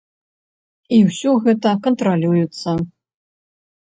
І ўсё гэта кантралюецца.